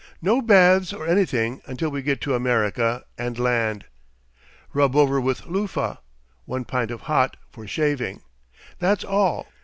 No baths or anything until we get to America and land. Rub over with loofah. One pint of hot for shaving. That's all.